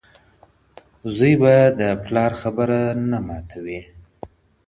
زوی به د پلار خبره نه ماتوي.